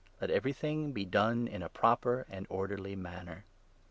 Let eveiything be done in a proper and orderly 40 manner.